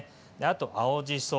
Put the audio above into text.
あと青じそ。